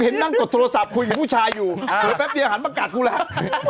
เห็นนั่งกดโทรศัพท์คุยกับผู้ชายอยู่เสร็จแป๊บนี้หันประกาศกูแล้ว